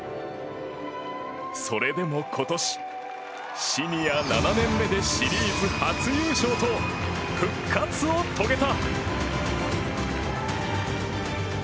それでも今年、シニア７年目でシリーズ初優勝と復活を遂げた。